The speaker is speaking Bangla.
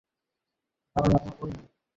আন্দাজে বলছি, কারণ আমার ঘড়ি নেই।